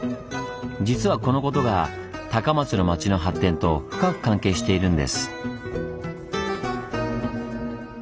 実はこのことが高松の町の発展と深く関係しているんです。